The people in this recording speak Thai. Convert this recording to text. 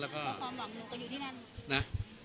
แล้วความหวังหนูก็อยู่ที่นั่น